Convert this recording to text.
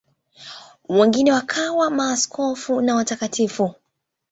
Wengine wakawa maaskofu na watakatifu.